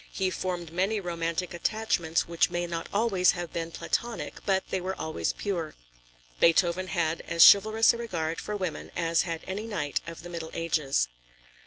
He formed many romantic attachments which may not always have been Platonic, but they were always pure. Beethoven had as chivalrous a regard for women as had any knight of the middle ages.